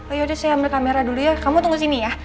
oh yaudah saya ambil kamera dulu ya kamu tunggu sini ya